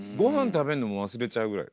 食べんのも忘れちゃうぐらい。